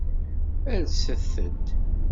Alset-d.